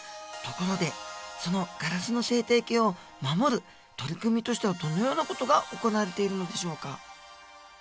ところでそのガラスの生態系を守る取り組みとしてはどのような事が行われているのでしょうか？